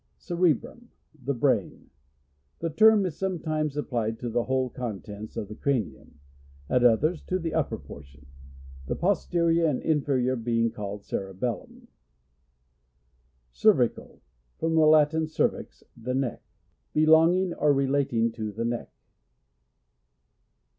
Cerebrum. — The brain. The term is sometimes applied to the whole con tents of the cranium ; at others, to the upper portion ; the posterior and infeiior being called cerebellum. Cervical — From the Latin, cervix, the neck. Belonging or relating to the neck.